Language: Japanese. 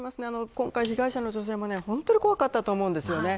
今回、被害者の女性も本当に怖かったと思います。